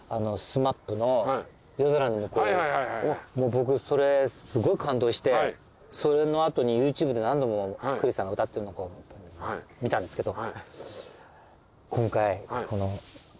僕それすごい感動してそれの後にＹｏｕＴｕｂｅで何度もクリスさんが歌ってるのを見たんですけど。